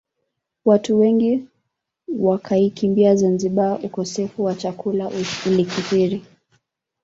Watu wengi wakaikimbia Zanzibar ukosefu wa chakula ulikithiri